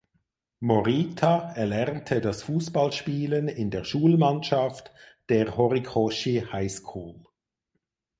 Morita erlernte das Fußballspielen in der Schulmannschaft der "Horikoshi High School".